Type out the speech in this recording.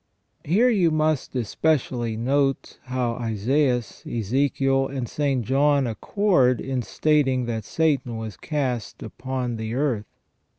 * Here must you especially note how Isaias, Ezechiel, and St. John accord in stating that Satan was cast upon the earth.